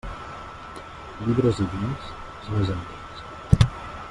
Llibres i vins, els més antics.